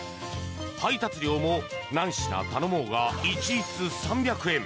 配達料も、何品頼もうが一律３００円。